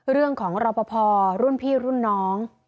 เรื่องของรอปภรุ่นพี่รุ่นน้อง